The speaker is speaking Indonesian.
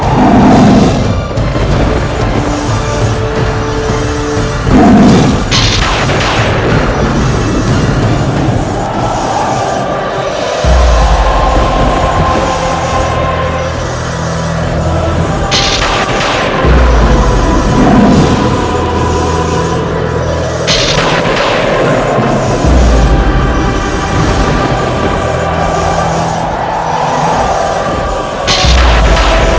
jangan berbangga dengan apa yang kau capai